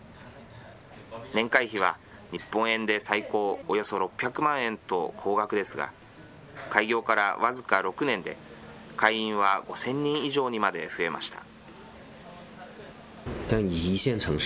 年会費は、日本円で最高およそ６００万円と高額ですが、開業から僅か６年で、会員は５０００人以上にまで増えました。